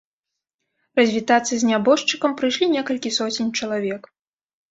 Развітацца з нябожчыкам прыйшлі некалькі соцень чалавек.